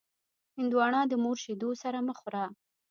هندوانه د مور شیدو سره مه خوره.